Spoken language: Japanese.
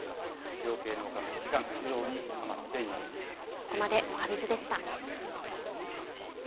養鶏農家の危機感、非常に高まっここまで、おはＢｉｚでした。